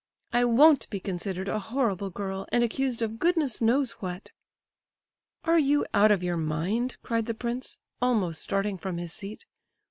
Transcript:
I won't be considered a horrible girl, and accused of goodness knows what." "Are you out of your mind?" cried the prince, almost starting from his seat.